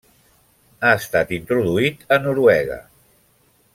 Ha estat introduït a Noruega.